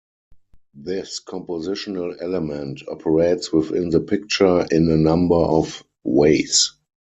This compositional element operates within the picture in a number of ways.